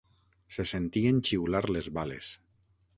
Se sentien xiular les bales.